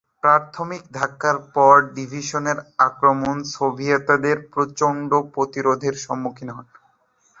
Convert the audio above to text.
প্রাথমিক ধাক্কার পর ডিভিশনের আক্রমণ সোভিয়েতদের প্রচণ্ড প্রতিরোধের সম্মুখীন হয়।